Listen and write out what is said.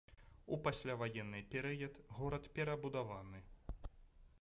У пасляваенны перыяд горад перабудаваны.